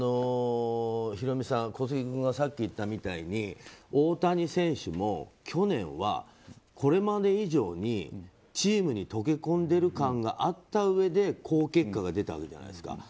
ヒロミさん小杉君がさっき言ったみたいに大谷選手も去年は、これまで以上にチームに溶け込んでる感があったうえで好結果が出たわけじゃないですか。